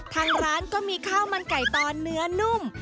ทางร้านก็มีข้าวมันไก่ตอนเนื้อนุ่ม